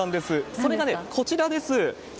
それがね、こちらです。